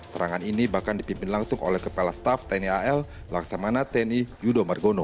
serangan ini bahkan dipimpin langsung oleh kepala staff tni al laksamana tni yudo margono